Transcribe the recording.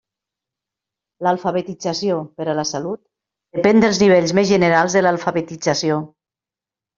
L'alfabetització per a la salut depèn dels nivells més generals d'alfabetització.